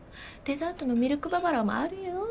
デザートのミルクババロアもあるよ？